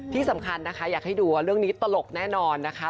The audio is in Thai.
ที่สำคัญนะคะอยากให้ดูว่าเรื่องนี้ตลกแน่นอนนะคะ